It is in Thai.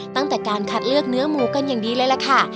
ตั้งแต่การคัดเลือกเนื้อหมูกันอย่างดีเลยล่ะค่ะ